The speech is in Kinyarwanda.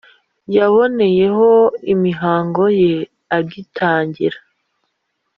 yaboneyeho imihango ye agitangira